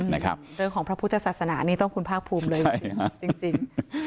เรื่องของพระพุทธศาสนานี่ต้องคุณภาคภูมิเลยจริง